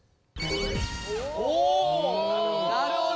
なるほど！